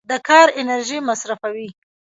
د کار انرژي مصرفوي.